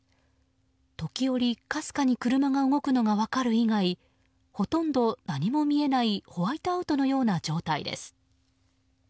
時折、かすかに車が動くのが分かる以外ほとんど何も見えないホワイトアウトのような状態です。